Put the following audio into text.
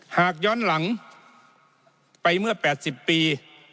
หากย้อนหลังไปเมื่อ๘๐ปี